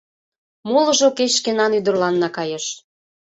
Молыжо кеч шкенан ӱдырланна кайыш.